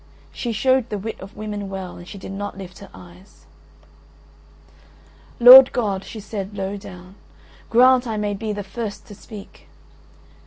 She showed the wit of women well, she did not lift her eyes. "Lord God," she said, low down, grant I may be the first to speak."